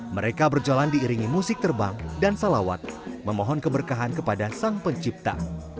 mereka berjalan diiringi musik terbang dan salawat memohon keberkahan kepada sang pencipta